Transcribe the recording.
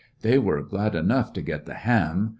They were glad enough to get the ham.